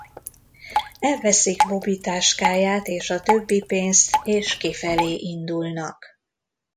Elveszik Bobby táskáját és a többi pénzt és kifelé indulnak.